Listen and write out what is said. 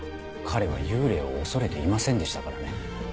彼は幽霊を恐れていませんでしたからね。